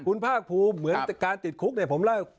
คุณภาคภูมิเหมือนการติดคุกเนี่ยผมเล่า